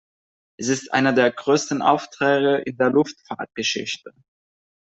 Es ist einer der größten Aufträge in der Luftfahrtgeschichte.